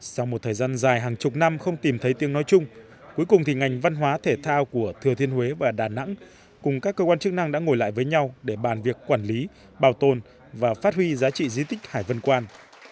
sau một thời gian dài hàng chục năm không tìm thấy tiếng nói chung cuối cùng thì ngành văn hóa thể thao của thừa thiên huế và đà nẵng cùng các cơ quan chức năng đã ngồi lại với nhau để bàn việc quản lý bảo tồn và phát huy giá trị di tích hải vân quan